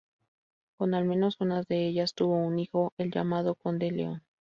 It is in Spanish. Con al menos una de ellas tuvo un hijo, el llamado Conde León.